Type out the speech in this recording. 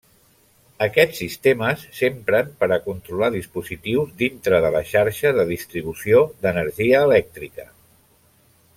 Aquests sistemes s'empren per a controlar dispositius dintre de la xarxa de distribució d'energia elèctrica.